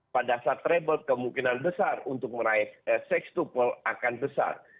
pada saat treble kemungkinan besar untuk meraih enam tuple akan besar